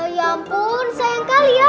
ya ampun sayang kali ya